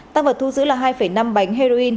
tăng vật thu giữ là hai năm bánh heroin